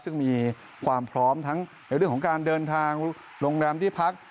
ซึ่งมีความพร้อมทั้งในเรื่องของการเดินทางโรงแรมที่พัก